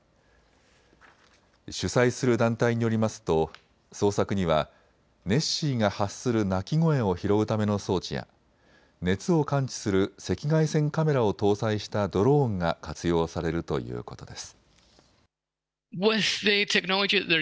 主催する団体によりますと捜索にはネッシーが発する鳴き声を拾うための装置や熱を感知する赤外線カメラを搭載したドローンが活用されるということです。